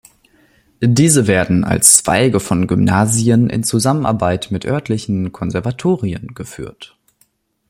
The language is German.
Diese werden als Zweige von Gymnasien in Zusammenarbeit mit örtlichen Konservatorien geführt.